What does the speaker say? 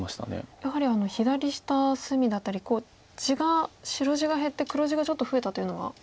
やはり左下隅だったりこう地が白地が減って黒地がちょっと増えたというのが大きいですか。